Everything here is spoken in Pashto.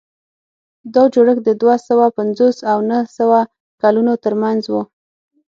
دا جوړښت د دوه سوه پنځوس او نهه سوه کلونو ترمنځ و.